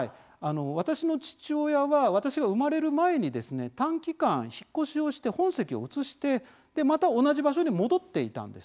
私の父親は私が生まれる前に短期間、引っ越しをして本籍を移して、また同じ場所に戻っていたんです。